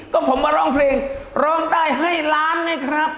ก็ผมมาร้องเพลงร้องได้ให้ล้านไงครับ